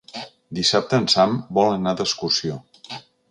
Dissabte en Sam vol anar d'excursió.